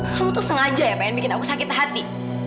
kamu tuh sengaja ya pengen bikin aku sakit hati